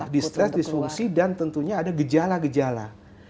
distres disfungsi dan tentunya ada gejala gejala